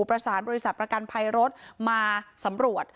ประสานบริษัทประกันภัยรถมาสำรวจ